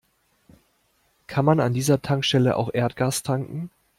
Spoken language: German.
Kann man an dieser Tankstelle auch Erdgas tanken?